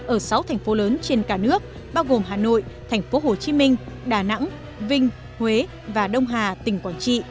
ở sáu thành phố lớn trên cả nước bao gồm hà nội thành phố hồ chí minh đà nẵng vinh huế và đông hà tỉnh quảng trị